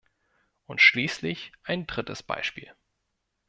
Und schließlich ein drittes Beispiel.